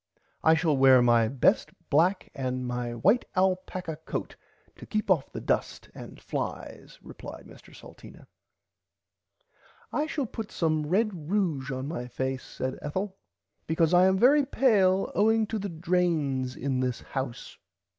I shall wear my best black and my white alpacka coat to keep off the dust and flies replied Mr Salteena. I shall put some red ruge on my face said Ethel because I am very pale owing to the drains in this house.